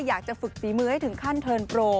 อยากจะฝึกฝีมือให้ถึงขั้นเทิร์นโปร